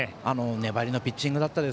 粘りのピッチングでした。